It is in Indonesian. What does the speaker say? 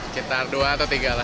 sekitar dua atau tiga lah